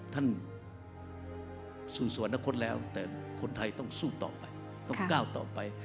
แต่คนไทยต้องสู้ต่อไปต้องก้าวต่อไป